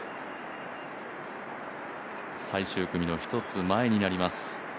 最終組の１つ前になります。